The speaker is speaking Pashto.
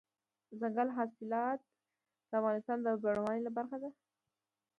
دځنګل حاصلات د افغانستان د بڼوالۍ برخه ده.